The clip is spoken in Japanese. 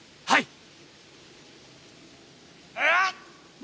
はい！